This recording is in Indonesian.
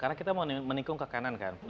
karena kita mau menikung ke kanan kan